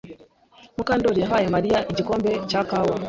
Mukandori yahaye Mariya igikombe cya kawa.